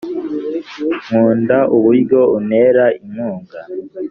nkunda uburyo untera inkunga.